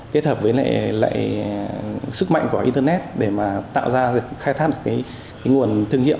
kết hợp với lệ sức mạnh của internet để tạo ra khai thác nguồn thương hiệu